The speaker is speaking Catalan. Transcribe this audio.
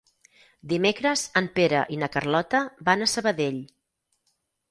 Dimecres en Pere i na Carlota van a Sabadell.